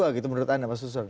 dua gitu menurut anda pak susul